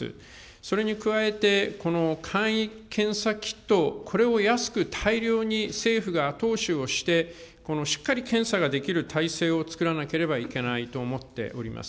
それに加えて、この簡易検査キット、これを安く大量に、政府が後押しをして、しっかり検査ができる体制を作らなければいけないと思っております。